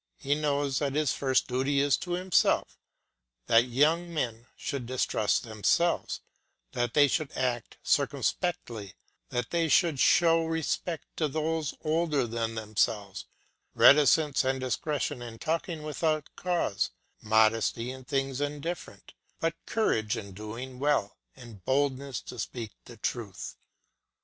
He knows that his first duty is to himself; that young men should distrust themselves; that they should act circumspectly; that they should show respect to those older than themselves, reticence and discretion in talking without cause, modesty in things indifferent, but courage in well doing, and boldness to speak the truth.